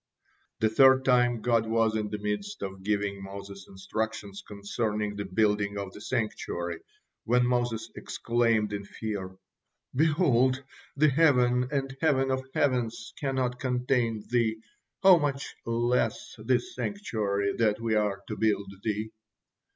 The third time, God was in the midst of giving Moses instructions concerning the building of the sanctuary, when Moses exclaimed in fear: "Behold, the heaven and heaven of heavens cannot contain Thee, how much less this sanctuary that we are to build Thee?"